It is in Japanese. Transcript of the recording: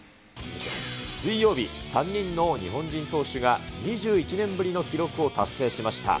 水曜日、３人の日本人投手が、２１年ぶりの記録を達成しました。